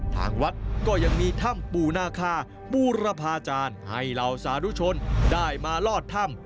ทางวัดก็ยังมีถ้ำปู่นาคาบูรพาจารย์ให้เหล่าสาธุชนได้มาลอดถ้ำ